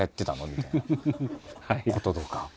みたいなこととか。